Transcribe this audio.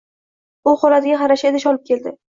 U holatiga yarasha idish olib keldi.